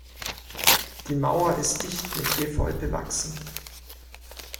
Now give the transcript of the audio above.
Die Mauer ist dicht mit Efeu bewachsen.